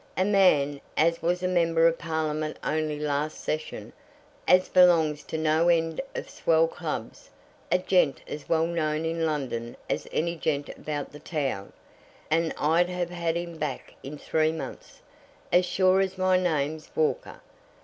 A man as was a Member of Parliament only last Session, as belongs to no end of swell clubs, a gent as well known in London as any gent about the town! And I'd have had him back in three months, as sure as my name's Walker."